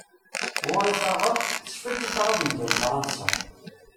Ɣur-i taɣaḍt, tecfa-d i tṛad mgal Fransa.